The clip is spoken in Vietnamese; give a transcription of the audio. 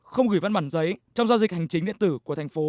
không gửi văn bản giấy trong giao dịch hành chính điện tử của thành phố